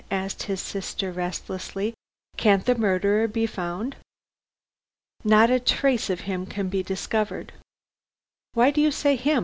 asked his sister, restlessly. "Can't the murderer be found?" "Not a trace of him can be discovered." "Why do you say 'him.'